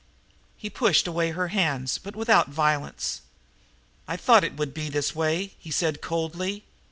He pushed away her hands, but without violence. "I thought it would be this way," he said coldly.